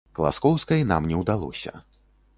Класкоўскай нам не ўдалося.